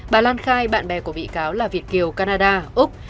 bà lan khai bạn bè của bị cáo là việt kiều canada úc